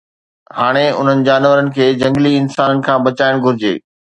هاڻي انهن جانورن کي جهنگلي انسانن کان بچائڻ گهرجي